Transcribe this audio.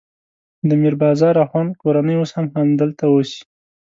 د میر بازار اخوند کورنۍ اوس هم همدلته اوسي.